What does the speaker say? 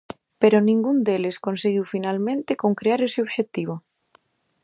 Pero ningún deles conseguiu finalmente concrear ese obxectivo.